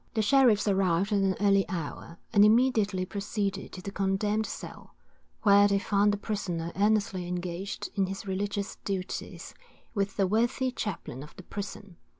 The sheriffs arrived at an early hour, and immediately proceeded to the condemned cell, where they found the prisoner earnestly engaged in his religious duties, with the worthy chaplain of the prison.